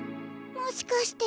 もしかして。